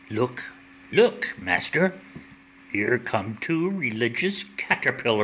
Look, look, master; here come two religious caterpillars.